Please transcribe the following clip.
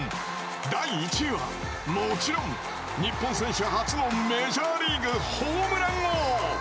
第１位は、もちろん日本選手初のメジャーリーグホームラン王。